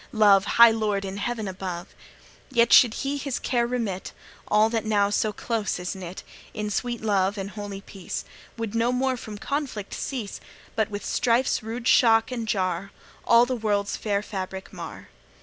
Love, high lord in heaven above! Yet should he his care remit, All that now so close is knit In sweet love and holy peace, Would no more from conflict cease, But with strife's rude shock and jar All the world's fair fabric mar.